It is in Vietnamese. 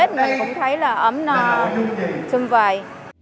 mình cũng thấy là ấm nòng tết xung vầy